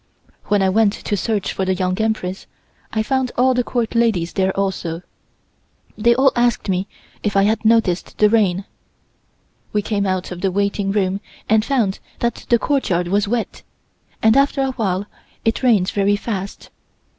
When I went to search for the Young Empress I found all the Court ladies there also. They all asked me if I had noticed the rain. We came out of the waiting room and found that the courtyard was wet, and after a while it rained very fast.